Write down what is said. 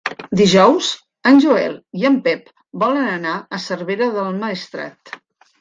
Dijous en Joel i en Pep volen anar a Cervera del Maestrat.